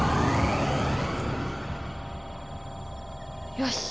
よし！